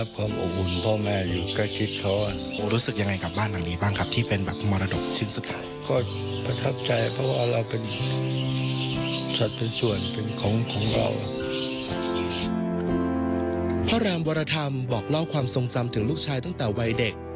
พระรามวรธรรมบอกเล่าความทรงจำถึงลูกชายตั้งแต่วัยเด็ก